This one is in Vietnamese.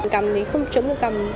cầm thì không chấm được cầm